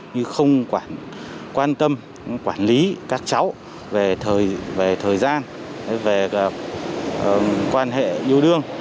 như không quản quan tâm quản lý các cháu về thời gian về quan hệ yêu đương